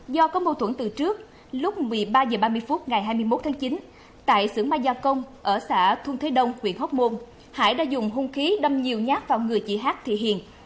do có mâu thuẫn từ trước lúc một mươi ba h ba mươi phút ngày hai mươi một tháng chín tại xưởng may gia công ở xã thun thế đông huyện hóc môn hải đã dùng hung khí đâm nhiều nhát vào người chị hát thị hiền